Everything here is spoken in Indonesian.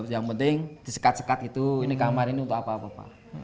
yang penting disekat sekat itu ini kamar ini untuk apa apa